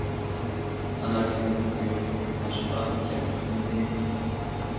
ئانا كۈلۈپ قويۇپ باشقا گەپ قىلمىدى.